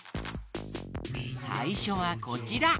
さいしょはこちら。